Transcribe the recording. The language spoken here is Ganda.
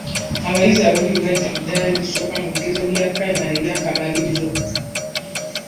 Abayizi ababiri baayitira mu ddaala erisooka mu bigezo bya pulayimale eby'akamalirizo.